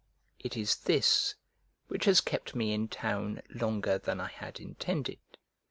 It is this which has kept me in town longer than I had intended.